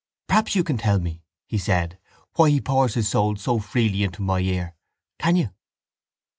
—Perhaps you can tell me, he said, why he pours his soul so freely into my ear. Can you?